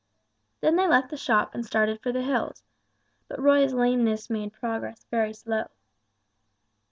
They left the shop and started for the hills, but Roy's lameness made progress very slow.